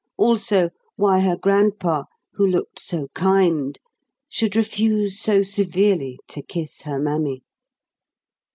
Also, why her grandpa, who looked so kind, should refuse so severely to kiss her Mammy.